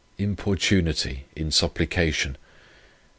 Importunity in supplication.